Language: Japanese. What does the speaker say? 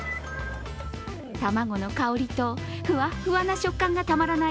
卵の香りとふわっふわな食感がたまらない